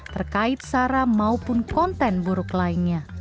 terkait sara maupun konten buruk lainnya